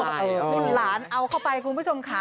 รุ่นหลานเอาเข้าไปคุณผู้ชมค่ะ